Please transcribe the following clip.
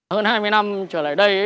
hơn hai mươi năm trở lại đây